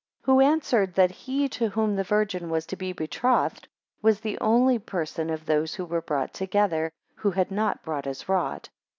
3 Who answered that he to whom the Virgin was to be betrothed was the only person of those who were brought together, who had not brought his rod.